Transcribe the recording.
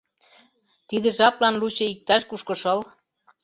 Тиде жаплан лучо иктаж-кушко шыл.